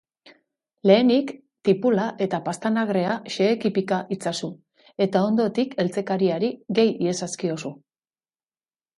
Lehenik tipula eta pastanagrea xeheki pika itzazu, eta ondotik eltzekariari gehi iezazkiozu.